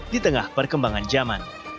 di tengah perkembangan zaman